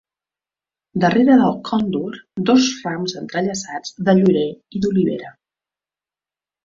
Darrere del còndor, dos rams entrellaçats de llorer i d'olivera.